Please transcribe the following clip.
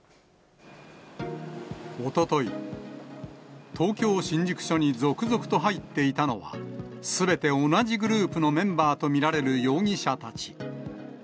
おととい、東京・新宿署に続々と入っていたのは、すべて同じグループのメンバーと見られる容疑者たち。